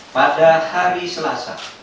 pada hari selasa